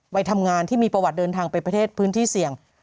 วัยทำงานที่มีประวัติเดินทางไปประเทศพื้นที่เสี่ยง